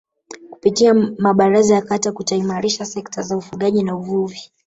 kupitia mabaraza ya Kata kutaimarisha sekta za ufugaji na uvuvi